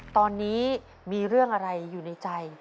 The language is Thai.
ตอนนี้มีเรื่องอะไรอยู่ในใจ